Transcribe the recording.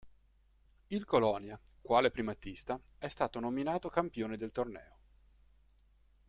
Il Colonia, quale primatista, è stato nominato campione del torneo.